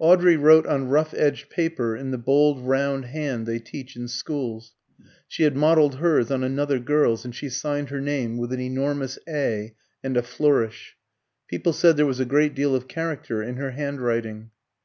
Audrey wrote on rough edged paper, in the bold round hand they teach in schools. She had modelled hers on another girl's, and she signed her name with an enormous A and a flourish. People said there was a great deal of character in her hand writing.